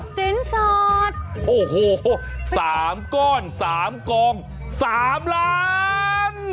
สินสอดโอ้โฮสามก้อนสามกอง๓ล้าน